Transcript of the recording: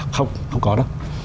không không có đâu